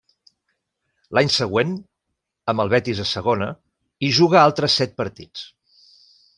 L'any següent, amb el Betis a Segona, hi juga altres set partits.